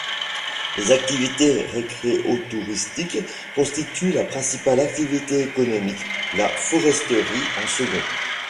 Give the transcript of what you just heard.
Les activités récréotouristique constituent la principale activité économique; la foresterie, en second.